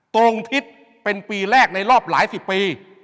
ตรงทิศเป็นปีแรกในรอบหลายสิบปี